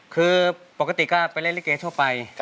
คือปกติก็ไปเล่นลิกเกย์เท่าไป